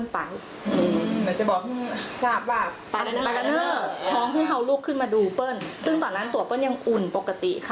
พวกขึ้นมาดูเปิ้ลซึ่งตอนนั้นตัวเปิ้ลยังอุ่นปกติค่ะ